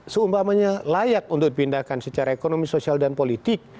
seumpamanya layak untuk dipindahkan secara ekonomi sosial dan politik